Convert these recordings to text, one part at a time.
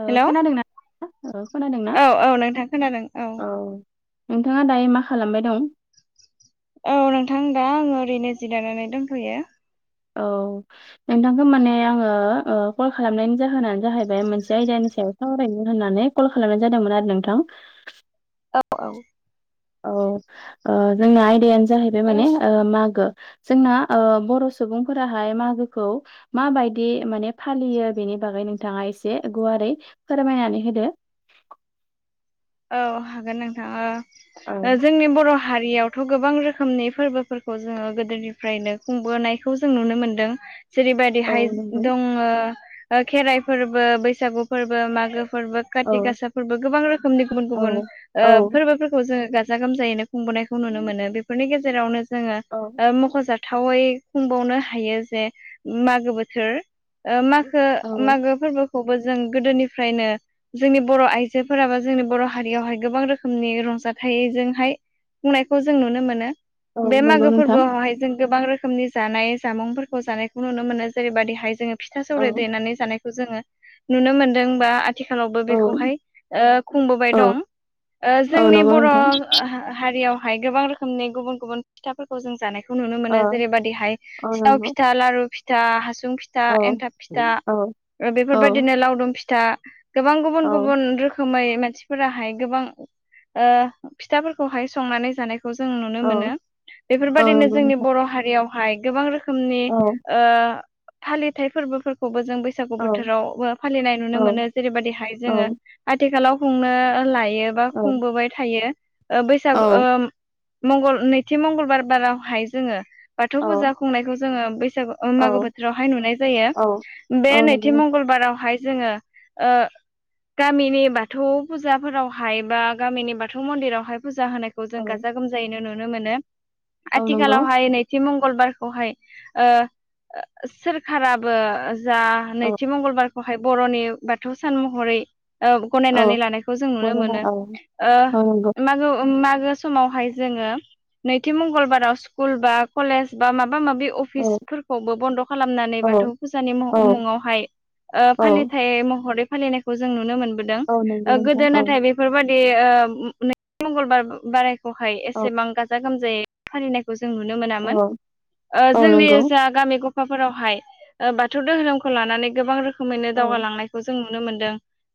ओ हेलौ खोनादोंना खोनादोंना? औ औ नोंथां खोनादों औ। नोंथाङा दायो मा खालामबाय दं? औ नोंथां दा आङो ओरैनो जिरायनानै दंथ'यो। औ नोंथांखौ माने आङो ओ कल खालामनायनि जाहोनानो जाहैबाय मोनसे आयदानि सायाव सावराय होननानै कल खालामनाय जादोंमोन आरो नोंथां। औ। औ। ओ जोंना आयदायानो जाहैबाय माने मागो जोंना ओ बर' सुबुंफोराहाय मागोखौ मा बायदि माने फालियो बेनि बागै नोंथाङा एसे गुवारै फोरमाय नानै होदो। औ हागोन नोंथां औ ओ जोंनि बर' हारियावथ' गोबां रोखोमनि फोरबोफोरखौ जोङो गोदोनिफ्रायनो खुंबोनायखौ जों नुनो मोनदों। जेरै औ बायदिहाय नंगौ दङो ओ खेराइ फोरबो, बैसागु फोरबो, मागो फोरबो औ काति गासा फोरबो गोबां रोखोमनि गुबुन गुबुन औ ओ औ फोरबोफोरखौ जोङो गाजा गोमजायैनो खुंबोनायखौ नुनो मोनो बेफोरनि गेजेरावनो जोङो औ ओ मख'जाथाव थावै खुंबावनो हायो जे मागो बोथोर ओ मागो ओ औ मागो फोरबोखौबो जों गोदोनिफ्रायनो जोंनि बर' आइजोफोराबो जोंनि बर' हारियावहाय गोबां रोखोमनि रंजाथाइजोंहाय खुंनायखौ जों नुनो मोनो। औ बे नंगौ मागो नोंथां फोरबोआवहाय जों गोबां रोखोमनि जानाय जामुंफोरखौ जानायखौ नुनो मोनो जेरैबायदिहाय जोङो फिथा सौराय औ देनानै जानायखौ जोङो नुनो मोनदोंबा आथिखालावबो औ बेखौहाय ओ खुंबोबाय औ दं ओ औ जोंनि नंगौ बर' नोंथां हा- हा-हारि हारियावहाय गोबां रोखोमनि गुबुन गुबुन फिथाफोरखौ जों जानायखौ खौ नुनो औ मोनो जेरै बादिहाय औ सिथाव नंगौ फिथा, लारु फिथा, हासुं सुं फिथा, औ एन्थाब फिथा, औ ओ औ बेफोरबायदिनो लावदुम फिथा गोबां औ गुबुन गुबुन रोखोमै मासिफोराहाय गोबां ओ फिथाफोरखौहाय संनानै जानाय खौ जोङो नुनो औ मोनो औ बेफोरबायदिनो नंगौ जोंनि नोंथां बर' हारियावहाय गोबां रोखोम नि औ ओ फालिथाय फोरबोफोरखौबो। जों बैसागु औ बोथोरावबो फालिनाय औ नुनो मोनो जेरैबायदिहाय जोङो औ आथिखालाव। खुंनो लायो बा औ खुंबोबाय थायो ओ बैसागु ओ। मंगल नैथि मंगलबार बारावहाय जोङो बाथौ औ फुजा खुंनायखौ जोङो। बैसाख ओम मागो बोथोरावहाय नुनाय जायो औ बे औ नंगौ नैथि नोंथां। मंगलबारावहाय। जोङो ओ गामिनि बाथौ। बाथौ फुजाफोरावहाय बा गामिनि बाथौ मन्दिरावहाय फुजा होनायखौ जों औ गाजा गोमजायै नु। नुनो मोनो औ नंगौ आथिखालावहाय नैथि मं। मंगलबारखौहाय ओ सोरखाराबो जा औ नैथि मंगलबारखौ। खौहाय बर'नि बाथौ सान महरै ओ। औ गनायनानै लानायखौ जों नुनो गनोना मोनो औ ओ औ नंगौ मागो ओम मा। गो समावहाय जोङो नैथि मंगलबाराव स्कुल बा कलेज बा माबा। माबा माबि औ अफिसफोरखौबो बन्द' खालामनानै औ बाथौ फुजानि मु औ मुङावहाय। ओ औ फालिथाय महरै फालिनायखौ जों नुनो मोनबोदों औ नंगौ ओ नोंथां गोदो औ नाथाय बेफोरबायाददि। बे ओ नै मंगलबार बारायखौहाय औ एसेबां गाजा गोमजायै फालिनायखौ। जों नुनो मोनामोन औ ओ औ जोंनि नंगौ जा गामि गब। फा फोरावहाय ओ बाथौ धोरोमखौ लानानै गोबां रोखोमैनो औ दावगालांनायखौ जों नु नुनो मोनदों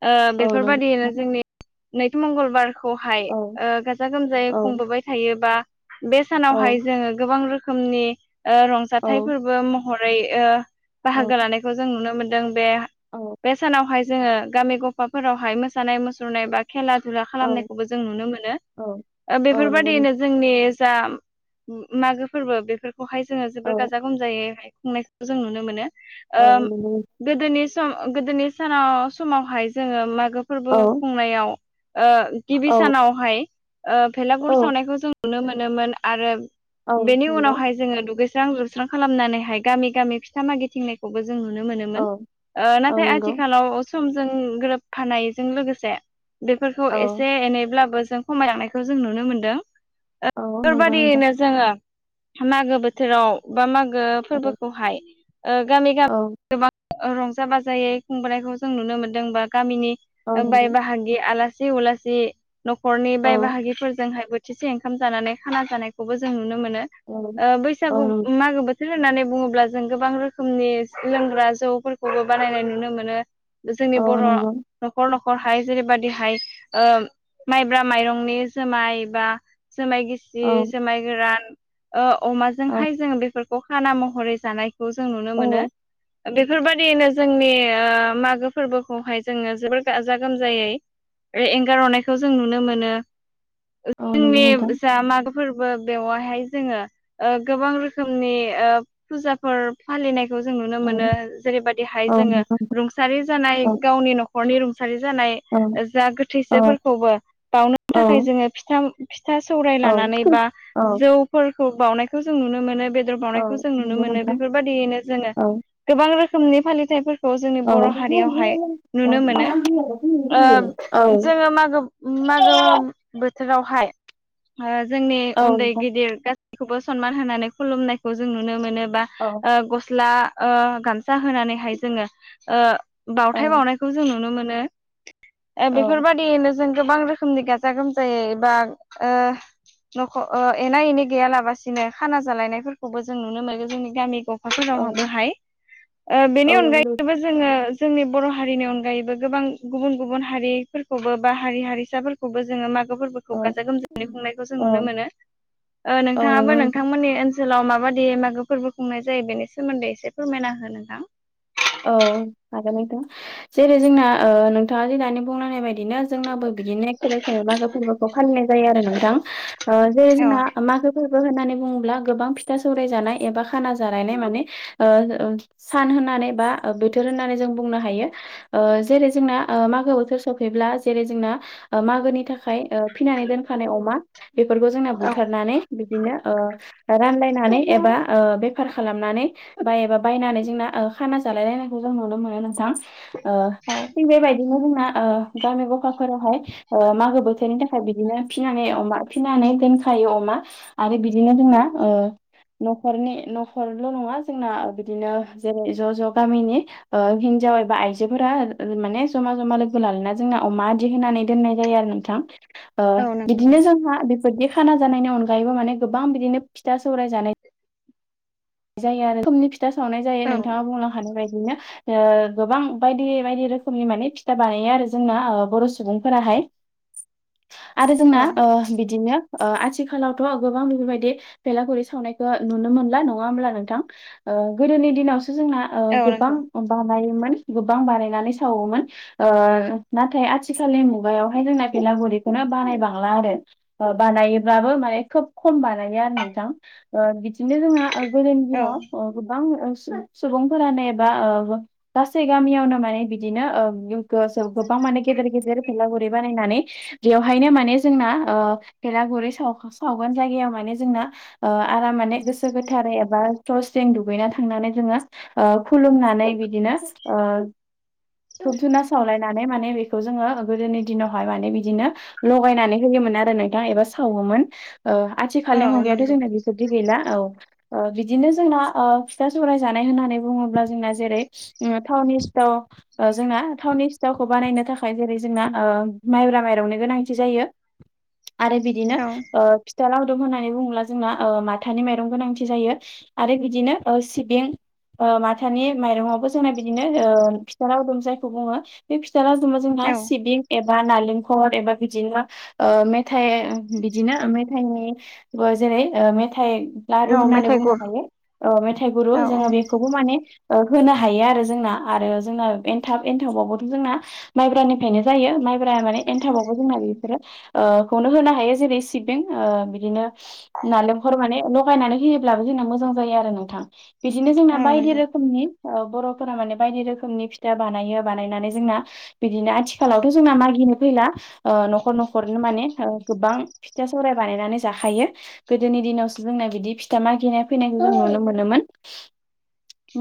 ओ। औ नंगौ बेफोरबायदियनो नोंथां जोंनि नैथि मंगलबार। खौहाय औ ओ गाजा गोमजायै औ खुंबोबाय थायोबा बे सानावहाय जोङो गोबां रोखोम। रोखोमनि ओ रंजाथाइ औ फोरबो महरै ओ औ बाहागो लानायखौ जों नुनो मोन। बे औ बे सानावहाय जोङो गामि गफाफोरावहाय मोसानाय मुसुरनाय बा खेला। जा औ खालामनायखौबो जों नुनो मोनो औ ओ औ नंगौ नोंथां बेफोरबायदियैनो जोंनि। जा मागो फोरबो बेफोरखौहाय जोङो औ जोबोर गाजा गोमजायैहाय। खुंनायखौ जों नुनो मोनो औ नंगौ नों- ओ दोनि। सम गोदोनि सानाव समावहाय जोङो मागो फोरबो औ खुंनायाव। ओ गिबि औ सानावहाय ओ औ भेलागुर सावनायखौ जों नुनो मोनोमोन आरो। औ बेनि नंगौ उनावहाय जोङो दुगैस्रां जोबस्रां खालामनानैहाय गामि गामि फिथा मागिथिंनायखौबो जों। जों नुनो औ मोनोमोन ओ औ नाथाय नंगौ आथिखालाव समजों। गोरोबफानायजों लोगोसे बेफोरखौ औ एसे एनैब्लाबो। जों खमायलांनायखौ जों नुनो मोनदों ओ औ नंगौ नोंथां बेफोरबायादियैनो जोङो। मागो बोथोराव बा मागो औ फोरबोखौहाय ओ गामि गामि औ गोबां। रंजा बाजायै खुंबोनायखौ जों नुनो मोनदों बा गामिनि औ बाय नंगौ बाहागि आलासि। उलासि न'खरनि बाय औ बाहागिफोरजोंहायबो। थिसे ओंखाम जानानै खाना जानायखौबो जों नुनो मोनो औ ओ औ बैसागु नंगौ मागो बो। बि होननानै बुङोब्ला जों गोबां रोखोमनि लोंग्रा जौफोरखौबो बानायनाय नुनो मोनो। औ जोंनि बर'। नंगौ न'खर न'खरहाय जेरैबायदिहाय माइब्रा माइरंनि जोमाय बा। जोमाय गिसि औ जोमाय गोरान ओ औ अमाजोंहाय जोङो बेफोरखौ। बेखौ खाना महरै जानायखौ जों नुनो औ मोनो। बेफोरबायदियैनो जोंनि ओ मागो फोरबोखौहाय। जोङो जोबोर गाजा गोमजायै ओ एंगारनायखौ जों नुनो मोनो। ओ औ नंगौ नोंथां जोंनि जा मागो। फोरबो बेवहाय जोङो ओ गोबां रोखोमनि ओ फुजाफोर फालिनायखौ। जों नुनो औ मोनो जेरैबायदिहाय औ जोङो नंगौ रुंसारि जानाय औ गावनि न'खरनि रं जानाय औ जा औ गोथैसोफोरखौबो बावनो औ थाखाय जोङो फिथा फिथा सौराय औ लानानै बा औ जौफोरखौ बावनायखौ जों नुनो मोनो। बेदर बावनायखौ जों नुनो नंगौ मोनो नोंथां बेफोरबायदियैनो जोङो गोबां रोखोमनि फालिथायफोरखौ थ जोंनि औ बर' हारियावहाय नुनो मोनो औ नोंथां औ ओ जोङो मागो मागो बोथोरावहाय ओ जोंनि उन्दै गिदिर गासैखौबो सनमान होनानै खुलुमनायखौ जों नुनो मोनो बा ओ गस्ला ओ गामसा होनानैहाय जोङो ओ बावथाय बावनायखौ जों नुनो मोनो। ओ औ बेफोरबायदियैनो जों गोबां रोखोमनि गाजा गोमजायै बा ओ न'खर एना एनि गैयालाबसिनो खाना जालायनायफोरखौबो जों नुनो मोनगोन जोंनि गामि ग औ पाफोरावबोहाय। ओ बेनि औ नंगौ अनगायैबो जोङो जोंनि बर' हारिनि अनगायैबो गोबां गुबुन गुबुन हारिफोरखौबो बा हारि हारिसाफोरखौबो जोङो मागो फोर्बोखौ औ गाजा गोमजायै खुंनायखौ जों औ नुनो मोनो। ओ औ नोंथाङाबो नंगौ नोंथांमोननि ओनसोलाव माबायदि मागो फोर्बो खुंनाय जायो बेनि सोमोन्दै एसे फोरमायना हो नोंथां। औ हागोन नोंथां। जेरै जोंना ओ नोंथाङा जे दानि बुंलांनाय बाय दिनो जोंनाबो बिदिनो एखे रोखोमै मागो फोर्बोखौ फालिनाय जायो आरो नोंथां। ओ जेरै औ जोंना मागो मागो फोर्बो होननानै बुङोब्ला गोबां फिथा सौराय जानाय एबा खाना जालायनाय माने ओ सान होननानै बा बोथोर होननानै जों बुंनो हायो। ओ जेरै जोंना मागो बोथोर सफैब्ला जेरै जोंना ओ मागोनि थाखाय फिनानै दोनखानाय अमा बेफोरखौ जोंना बुथारनानै बिदिनो ओ रानलायनानै एबा बेफार खालामनानै बा एबा बायनानै जोंना ओ खाना जालायलायनायखौ जों नुनो मोनो नोंथां। ओ थिग बेबाय दिनो जोंना ओ गामि गपाफोरावहाय मागो बोथोरनि थाखाय बिदिनो फिनानै अमा फिनानै दोनखायो अमा। आरो बिदिनो जोंना ओ न'खरनि न'खरल' नङा जोंना बिदिनो जेरै ज' ज' गामिनि ओ हिनजाव एबा आइजोफोरा माने जमा जमा लोगो लालायना जोंना अमा आदि होनानै दोननाय जायो आरो नोंथां। ओ औ नों बिदिनो जोंहा बेफोरनि खाना जानायनि अनगायैबो माने गोबां बिदिनो फिथा सौराय जानाय जायो आरो खुमनि फिथा सावनाय जायो औ नोंथाङा बुंलां खानाय बायदिनो। ओ गोबां बायदि बायदि रोखोमनि माने फिथा बानायो आरो जोंना बर' सुबुंफोराहाय। आरो जोंना औ ओ बिदिनो ओ आथिखालावथ' गोबां बेफोरबायदि बेलागुर सावनायखौ नुनो मोनला न ङा होमब्ला नोंथां। ओ गोदोनि दिनावसो जोंना ओ औ गोबां नंगौ बानायोमोन गोबां बानायनानै सावोमोन। ओ नाथाय आथिखालनि मुगायावहाय जोंना बेलागुर इखौ बानाय बांला आरो बानायब्लाबो माने खोब खम बानायो आरो नोंथां। ओ बिदिनो जोंना ओ गोदोनि औ दिनाव ओ गोबां सुबुंफोरानो एबा ओ गासै गामियावनो माने बिदिनो ओ [unintelligible] गोबां माने गेदेर गेदेर बेलागुरै बानायनानै बेवहायनो माने जोंनाय ओ बेलागुरै साव गोन जायगायाव माने जोंना ओ आराम माने गोसो गो थारै एबा स्र स्रिं दुगैनानै थांनानै जोङो ओ खुलुमनानै बिदिनो ओ धुुबधुना सावलायनानै माने बेखौ जोङो गोदोनि दिनावहाय माने बिदिनो लगायनानै होयो मोन आरो नोंथां एबा सावोमोन। ओ आथिखालनि औ मुगायावाथ' नंगौ जोंना बिफोरबादि गैला औ ओ बिदिनो जोंना ओ फिथा सौराय जानाय होननानै बुङोब्ला जोंना जेरै उ थावनि सिथाव ओ जोंना थावनि सिथावखौ बानायनो थाखाय जेरै जोंना ओ माइब्रा माइरंनि गोनांथि जायो। आरो बिदिनो औ ओ फिथा लावदुम होननानै बुङोब्ला जोंना ओ माथानि माइरं गोनांथि जायो। आरो बिदिनो ओ सिबिं ओ माथानि माइरंआवबो जोंना बिदिनो ओ फिथा लावदुम जायखौ बुङो बे फिथा लावदुमा जोंहा औ सिबिं ए बा नालेंखर एबा बिदिनो ओ मेथाय बिदिनो मेथायनि ओ जे जै मेथाइ लारु औ होननानै मेथाइ बुंनो गुर हायो। ओ मेथाइ गुरु औ जोङो बेखौबो माने ओ होनो हायो आरो जोंना। आरो जोंना एनथाब एन्थाबावबोथ' जोंना माइब्रानिफ्रायनो जायो। माइब्रा माने एनथाबबावो जोंना ओ खौनो होनो हायो जेरै सिबिं ओ बिदिनो नालेंख माने थरायनानै होयोब्लाबो जोंना मोजां जायो। आरो नोंथां बिदिनो जोंना औ औ बायदि नंगौ रोखोमनि औ बर'फोरा माने बायदि रोखोमनि फिथा बानायो बानायनानै जोंना बिदिनो आथिखालावथ' जोंना मागि गिनो फैला न'खर न'खरनो माने ओ गोबां फिथा सौराय बानायनानै जाखायो गोदोनि दिनावसो जोंना बिदि फिथा मागिनाय फैनायखौ जों नुनो मोनोमोन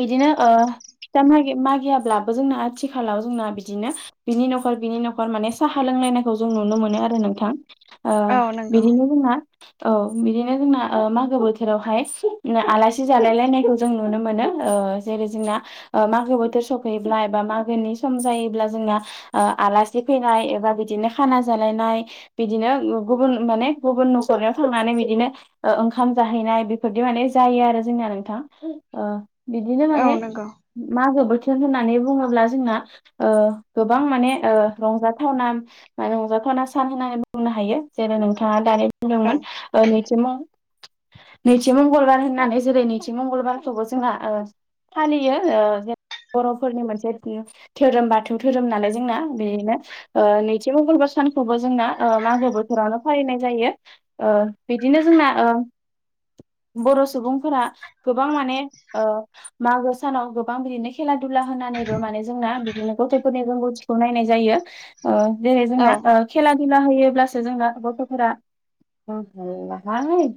बिदिनो ओ फिथा मागि मागियाब्लाबो जोंना आथिखालाव जोंना बिदिनो बिनि न'खर बिनि नखर माने साहा लों हैलायनायखौ जों नुनो मोनो आरो नोंथां। ओ औ नंगौ बिदिनो जोंना औ बिदिनो जोंना ओ मा गो बोथोरावहाय आलासि जालायलायनायखौ जों नुनो मोनो ओ जेरै जोंना मा गो बोथोर सफैब्ला एबा मागोनि सम जायोब्ला जोंना आ आलासि फैनायबा एबा बिदिनो खा जालायनाय बिदिनो गुबुन माने गुबुन न'खरनियाव थांनानै बिदिनो ओ ओंखा ओंखाम जाहैनाय बेफोरदि माने जायो आरो जोंनिया नोंथां ओ बिदिनो औ माने नंगौ मागो बोथोर होननानै बुङोब्ला जोंना ओ गोबां माने ओ रंजाथावना मा रंजाथाव खना सान होननानै बुंनो हायो जेरै नोंथाङा दानि औ बुंदोंमोन ओ नैथि मं नैथि मंगलबार होननानै जेरै नैथि मंगलबारखौबो जोंहा ओ फालियो ओ जेन बर'फोरनि मोनसे धोरोम बाथौ धोरोम नालाय जोंना बिदिनो ओ नैथि मंगलबार सानखौबो जोंना ओ मागो बोथोरावनो फालिनाय जायो ओ बिदिनो जोंना ओ [inaudible] बर' सुबुंफोरा गोबां माने ओ मागो सानाव गोबां बिदिनो खेला दुला होननानैबो माने जोंना बिदिनो गथ'फोरनि रोंगौथिखौ नायनाय जायो। ओ जेरै जोंना औ ओ खेला खेला होयोब्लासो जोंना गथ'फोरा आं हालाहाय